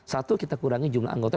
satu kita kurangi jumlah anggota